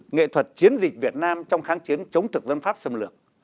nghệ thuật chiến dịch việt nam trong kháng chiến chống thực dân pháp xâm lược